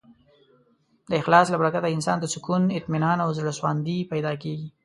د اخلاص له برکته انسان ته سکون، اطمینان او زړهسواندی پیدا کېږي.